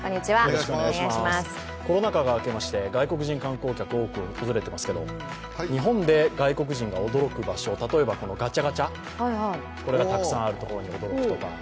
コロナ禍が明けまして、外国人観光客が多く訪れていますけれども日本で外国人が驚く場所、例えばこのガチャガチャ、これがたくさんあるところに驚くとか。